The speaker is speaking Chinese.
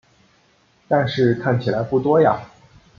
但是看起来不多呀